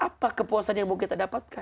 apa kepuasan yang mau kita dapatkan